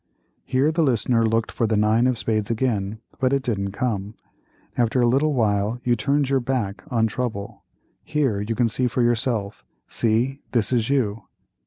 Here the listener looked for the nine of spades again, but it didn't come. "After a little while you turns your back on trouble; here, you can see for yourself—see, this is you."